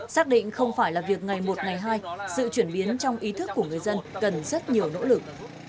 xác định không phải là việc ngày một ngày hai sự chuyển biến trong ý thức của người dân cần rất nhiều nỗ lực